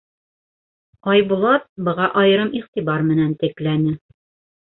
Айбулат быға айырым иғтибар менән текләне.